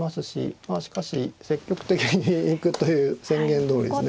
まあしかし積極的に行くという宣言どおりですね。